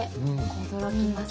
驚きますね。